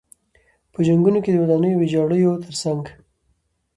په جنګونو کې د ودانیو ویجاړیو تر څنګ.